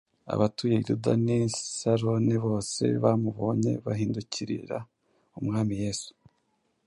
Abatuye i Luda n’i Saroni bose bamubonye bahindukirira Umwami Yesu.”.